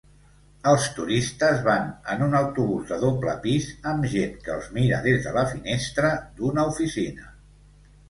Els turistes van en un autobús de doble pis amb gent que els mira des de la finestra d'una oficina.